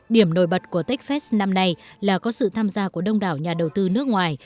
điểm nổi bật của techfest năm nay là có sự tham gia của đông đảo nhà đầu tư nước ngoài